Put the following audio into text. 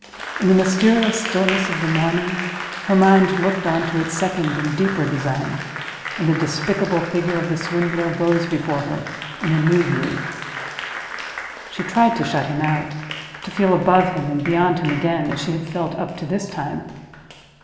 In the mysterious stillness of the morning, her mind looked on to its second and its deeper design, and the despicable figure of the swindler rose before her in a new view. She tried to shut him out—to feel above him and beyond him again, as she had felt up to this time.